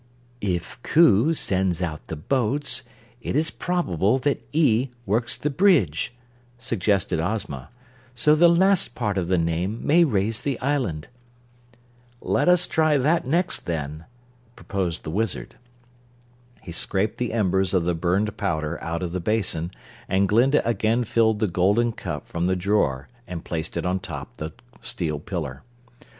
"If 'Coo' sends out the boats, it is probable that ee' works the bridge," suggested Ozma. "So the last part of the name may raise the island." "Let us try that next then," proposed the Wizard. He scraped the embers of the burned powder out of the basin and Glinda again filled the golden cup from the drawer and placed it on top the steel pillar.